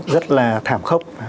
rất là thảm khốc